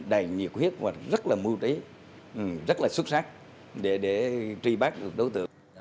đầy nhiệt huyết và rất là mưu trí rất là xuất sắc để truy bắt được đối tượng